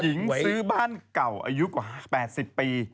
หญิงซื้อบ้านเก่าอายุกว่า๘๐ปี